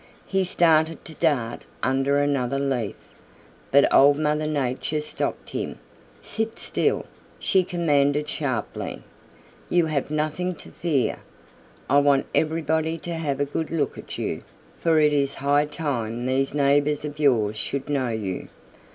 He started to dart under another leaf, but Old Mother Nature stopped him. "Sit still," she commanded sharply. "You have nothing to fear. I want everybody to have a good look at you, for it is high time these neighbors of yours should know you.